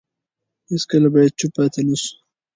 هیڅکله باید چوپ پاتې نه شو.